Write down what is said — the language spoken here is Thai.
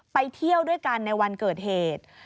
ไปเที่ยวด้วยกันในวันเกิดเหตุ